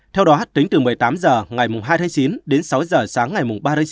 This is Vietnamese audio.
theo đó tính từ một mươi tám giờ ngày hai chín đến sáu giờ sáng ngày ba chín